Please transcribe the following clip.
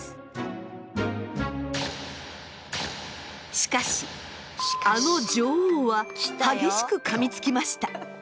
しかしあの女王は激しくかみつきました。